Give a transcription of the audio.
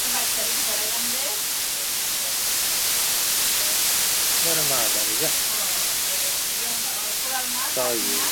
সম্প্রতি মাদকের সরবরাহ বেড়ে যাওয়ায় অনেক সাধারণ শিক্ষার্থীও আসক্ত হয়ে পড়েছেন।